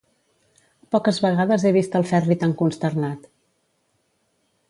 Poques vegades he vist el Ferri tan consternat.